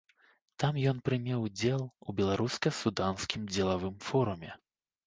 Там ён прыме ўдзел у беларуска-суданскім дзелавым форуме.